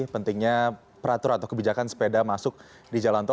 pentingnya peraturan atau kebijakan sepeda masuk di jalan tol